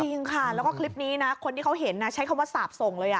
จริงค่ะแล้วก็คลิปนี้นะคนที่เขาเห็นใช้คำว่าสาบส่งเลย